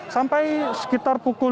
sampai sekitar pukul lima